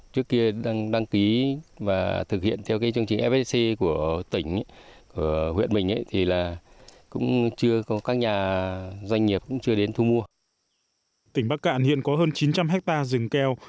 tỉnh bắc cạn hiện có hơn chín trăm linh hectare rừng keo